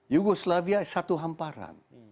yugoslavia satu hamparan